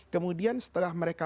kemudian setelah mereka